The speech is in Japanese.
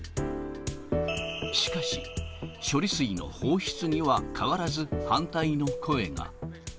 しかし、処理水の放出には変わらず反対の声が。